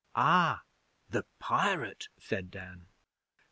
'Ah! The pirate!' said Dan.